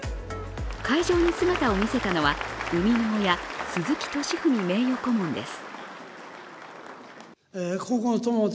会場に姿を見せたのは生みの親、鈴木敏文名誉顧問です。